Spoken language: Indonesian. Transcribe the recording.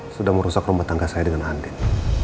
sudah merusak rumah tangga saya dengan handen